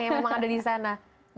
yang memang ada disana